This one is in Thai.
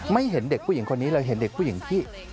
ไม่เห็นเด็กผู้หญิงคนนี้เลยเห็นเด็กผู้หญิงที่